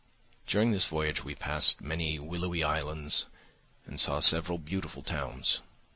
During this voyage we passed many willowy islands and saw several beautiful towns.